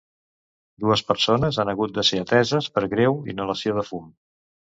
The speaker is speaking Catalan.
Dues persones han hagut de ser ateses per greu inhalació de fum.